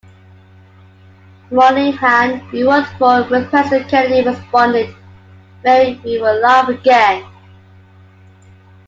Moynihan, who worked for President Kennedy responded, Mary, we will laugh again.